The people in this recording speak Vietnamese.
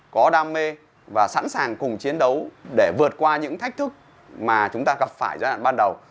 có đam mê và sẵn sàng cùng chiến đấu để vượt qua những thách thức mà chúng ta gặp phải giai đoạn ban đầu